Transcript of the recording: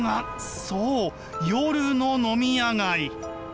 そう夜の飲み屋街。